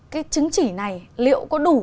cái chứng chỉ này liệu có đủ